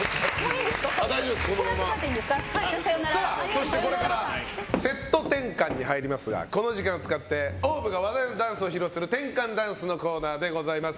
そしてこれからセット転換に入りますがこの時間を使ってＯＷＶが話題のダンスを披露する転換ダンスのコーナーです。